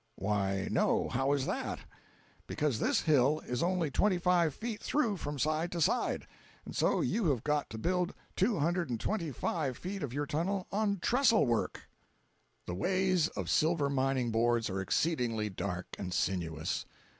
"Why no—how is that?" "Because this hill is only twenty five feet through from side to side; and so you have got to build two hundred and twenty five feet of your tunnel on trestle work!" 250.jpg (61K) The ways of silver mining Boards are exceedingly dark and sinuous.